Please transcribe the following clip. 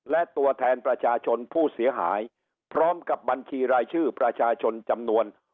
และตัวแทนประชาชนผู้เสียหายพร้อมกับบัญชีรายชื่อประชาชนจำนวน